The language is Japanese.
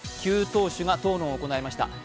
９党首が討論を行いました。